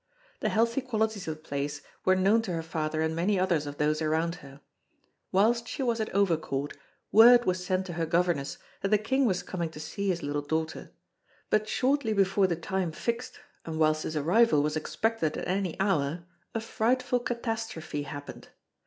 The healthy qualities of the place were known to her father and many others of those around her. Whilst she was at Overcourt, word was sent to her governess that the King was coming to see his little daughter; but shortly before the time fixed, and whilst his arrival was expected at any hour, a frightful catastrophe happened.